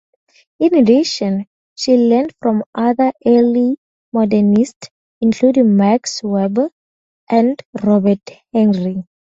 In addition, she learned from other early modernists including Max Weber and Robert Henri.